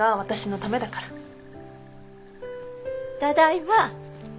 ただいま。